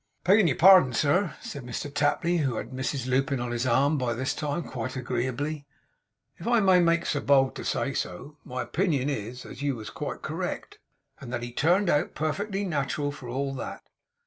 'Beggin' your pardon, sir,' said Mr Tapley, who had Mrs Lupin on his arm by this time, quite agreeably; 'if I may make so bold as say so, my opinion is, as you was quite correct, and that he turned out perfectly nat'ral for all that.